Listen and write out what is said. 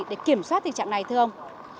để kiểm soát tình trạng này thưa ông